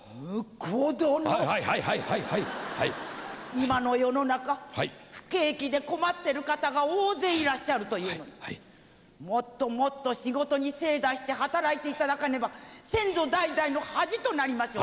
今の世の中不景気で困ってる方が大勢いらっしゃるというのにもっともっと仕事に精出して働いていただかねば先祖代々の恥となりましょう。